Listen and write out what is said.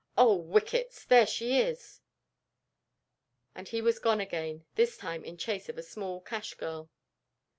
"Oh, whickets! There she is." And he was gone again, this time in chase of a small cash girl.